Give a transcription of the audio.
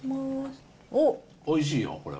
おいしいよ、これは。